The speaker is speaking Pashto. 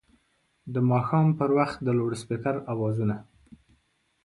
د ماښام پر وخت د لوډسپیکر اوازونه